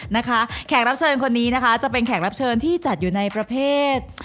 แขกรับเชิญคนนี้นะคะจะเป็นแขกรับเชิญที่จัดอยู่ในประเภท